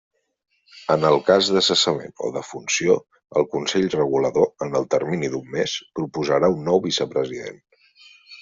En el cas de cessament o defunció, el consell regulador, en el termini d'un mes, proposarà un nou vicepresident.